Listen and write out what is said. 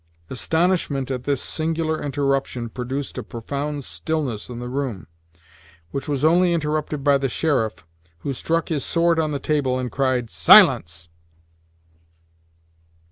Astonishment at this singular interruption produced a profound stillness in the room, which was only interrupted by the sheriff, who struck his sword on the table, and cried: "Silence!"